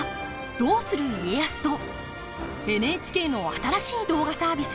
「どうする家康」とＮＨＫの新しい動画サービス